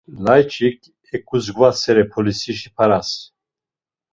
Layç̌ik eǩuzgvasere polisişi paras.